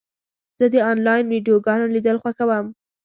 زه د انلاین ویډیوګانو لیدل خوښوم.